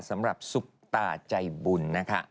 สำหรับซุปตาใจบุญนะคะ